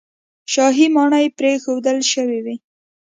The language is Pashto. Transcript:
شاهي ماڼۍ پرېښودل شوې وې.